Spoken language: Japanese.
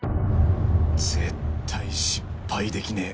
絶対失敗できねえ